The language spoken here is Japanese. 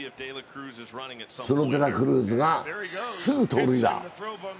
そのデラクルーズがすぐ盗塁だ。